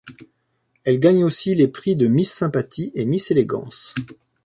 Elle gagne aussi les prix de Miss Sympathie et Miss Élégance.